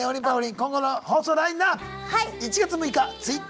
今後の放送ラインナップ！